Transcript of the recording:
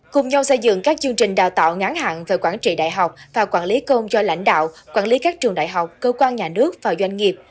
cùng nhau xây dựng các chương trình đào tạo ngắn hẳn về quản trị đại học và quản lý công do lãnh đạo quản lý các trường đại học cơ quan nhà nước và doanh nghiệp